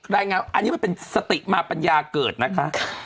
รายงานอันนี้มันเป็นสติมาปัญญาเกิดนะคะ